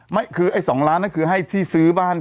ไม่คือ๒ล้านบาทคือให้ที่ซื้อบ้าน